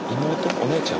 お姉ちゃん？